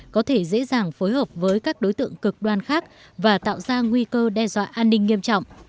có thể dễ dàng phối hợp với các đối tượng cực đoan khác và tạo ra nguy cơ đe dọa an ninh nghiêm trọng